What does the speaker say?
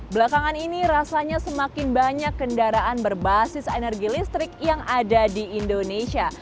belakangan ini rasanya semakin banyak kendaraan berbasis energi listrik yang ada di indonesia